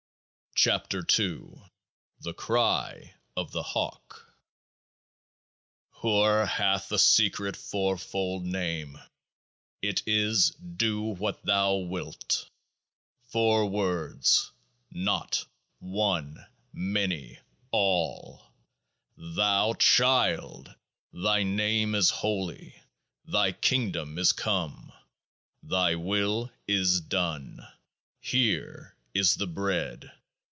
9 KEOAAH B THE CRY OF THE HAWK Hoor hath a secret fourfold name : it is Do What Thou Wilt. 3 Four Words : Naught — One — Many — All. Thou— Child ! Thy Name is holy. Thy Kingdom is come. Thy Will is done. Here is the Bread.